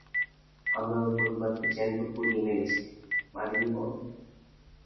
আমরা ওর পরিবারকে জ্যান্ত পুড়িয়ে মেরেছি, মারিনি বল?